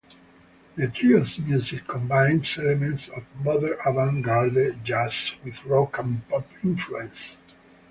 The trio's music combines elements of modern avant-garde jazz with rock and pop influences.